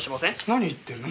何言ってるの？